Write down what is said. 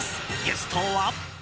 ゲストは。